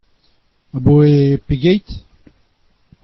Abaoe pegeit ?